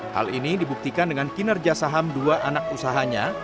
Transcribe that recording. hal ini dibuktikan dengan kinerja saham dua anak usahanya